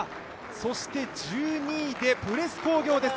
そして１２位でプレス工業です